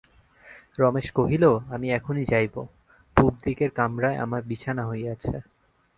রমেশ কহিল, আমি এখনি যাইব, পূবদিকের কামরায় আমার বিছানা হইয়াছে।